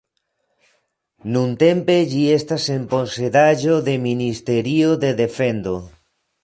Nuntempe ĝi estas en posedaĵo de Ministerio de defendo.